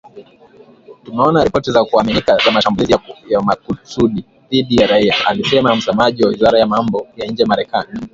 "Tumeona ripoti za kuaminika za mashambulizi ya makusudi dhidi ya raia", alisema msemaji wa wizara ya mambo ya nje Marekani.